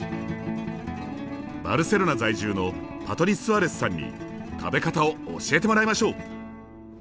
バルセロナ在住のパトリ・スアレスさんに食べ方を教えてもらいましょう！